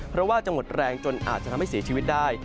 เพราะว่าจะหมดแรงจนอาจจะทำให้เสียชีวิตได้